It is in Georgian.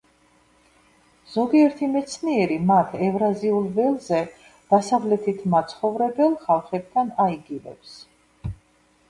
ზოგიერთი მეცნიერი მათ ევრაზიულ ველზე დასავლეთით მაცხოვრებელ ხალხებთან აიგივებს.